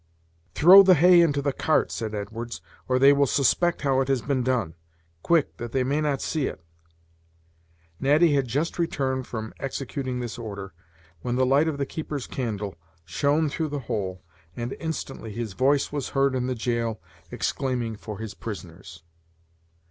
"Throw the hay into the cart," said Edwards, "or they will suspect how it has been done. Quick, that they may not see it." Natty had just returned from executing this order, when the light of the keeper's candle shone through the hole, and instantly his voice was heard in the jail exclaiming for his prisoners.